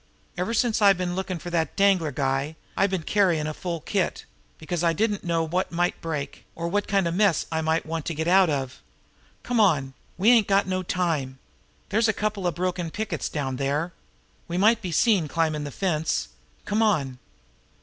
Ever since I've been looking for that Danglar guy, I've been carryin' a full kit because I didn't know what might break, or what kind of a mess I might want to get out of. Come on! We ain't got no time. There's a couple of broken pickets down there. We might be seen climbin' the fence. Come on!"